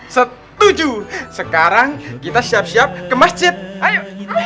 setuju sekarang kita siap siap ke masjid air